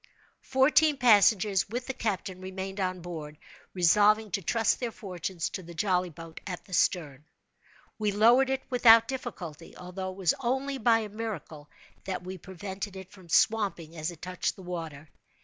Fourteen passengers, with the captain, remained on board, resolving to trust their fortunes to the jolly boat at the stern. We lowered it without difficulty, although it was only by a miracle that we prevented it from swamping as it touched the water.